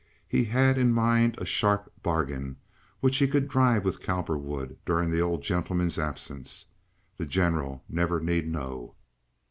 He had in mind a sharp bargain, which he could drive with Cowperwood during the old gentleman's absence. The General need never know.